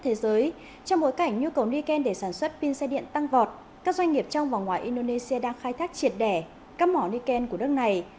trong bối cảnh nhu cầu niken để sản xuất pin xe điện tăng vọt các doanh nghiệp trong và ngoài indonesia đang khai thác triệt đẻ cắm mỏ niken của đất này